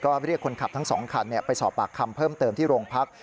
ก็เรียกคนขับทั้ง๒คันไปสอบปากคำเพิ่มเติมที่โรงพัก